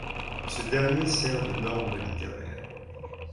Ce dernier sert de norme littéraire.